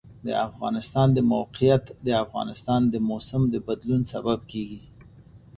د افغانستان د موقعیت د افغانستان د موسم د بدلون سبب کېږي.